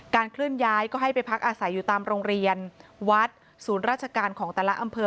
เคลื่อนย้ายก็ให้ไปพักอาศัยอยู่ตามโรงเรียนวัดศูนย์ราชการของแต่ละอำเภอ